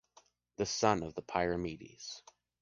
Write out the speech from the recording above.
The sun of the Pyramides!